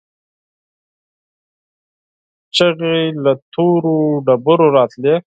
چيغې له تورو ډبرو راتلې.